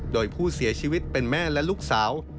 โดยผู้เสียชีวิตเป็นแม่และลูกสาว